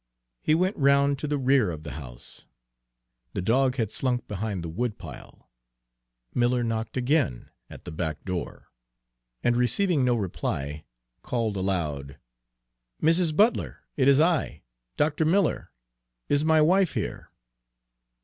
He went round to the rear of the house. The dog had slunk behind the woodpile. Miller knocked again, at the back door, and, receiving no reply, called aloud. "Mrs. Butler! It is I, Dr. Miller. Is my wife here?"